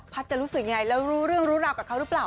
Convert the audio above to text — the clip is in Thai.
จะรู้สึกยังไงแล้วรู้เรื่องรู้ราวกับเขาหรือเปล่า